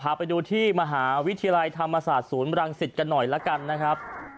พาไปดูที่มหาวิทยาลัยธรรมศาสตร์ศูนย์บรังสิตกันหน่อยละกันนะครับ